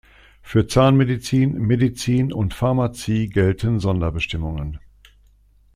Für Zahnmedizin, Medizin und Pharmazie gelten Sonderbestimmungen.